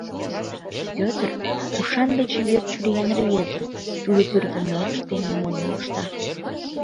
Пӧтыр — ушан да чевер чуриян рвезе, тудо тӱрлӧ модыш дене модын мошта.